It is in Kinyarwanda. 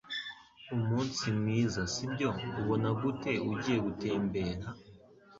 Umunsi mwiza, sibyo? Ubona gute ugiye gutembera?